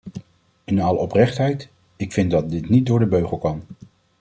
In alle oprechtheid, ik vind dat dit niet door de beugel kan.